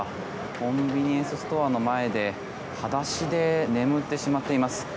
コンビニエンスストアの前で裸足で眠ってしまっています。